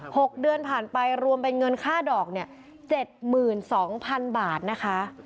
หกเดือนผ่านไปรวมเป็นเงินค่าดอกเนี่ยเจ็ดหมื่นสองพันบาทนะคะ